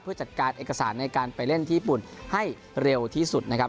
เพื่อจัดการเอกสารในการไปเล่นที่ญี่ปุ่นให้เร็วที่สุดนะครับ